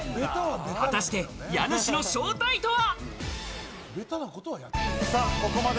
果たして家主の正体とは？